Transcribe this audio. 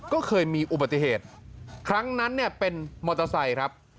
ก็เคยมีอุบัติเหตุครั้งนั้นเนี่ยเป็นมอเตอร์ไซค์ครับ